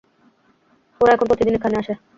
ওরা এখন প্রতিদিন এখানে আসে।